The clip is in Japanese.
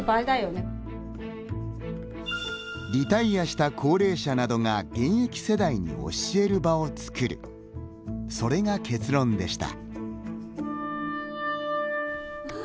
リタイアした高齢者などが現役世代に教える場をつくるそれが結論でした。